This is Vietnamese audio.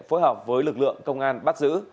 đối hợp với lực lượng công an bắt giữ